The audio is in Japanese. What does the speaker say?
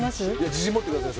自信持ってください